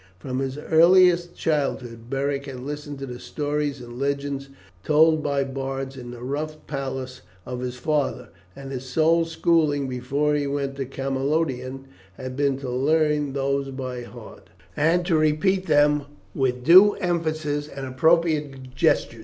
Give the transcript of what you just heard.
From his earliest childhood Beric had listened to the stories and legends told by bards in the rough palace of his father, and his sole schooling before he went to Camalodunum had been to learn these by heart, and to repeat them with due emphasis and appropriate gesture.